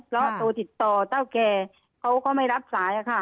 แล้วโทรติดต่อเท่าแก่เขาก็ไม่รับสายอะค่ะ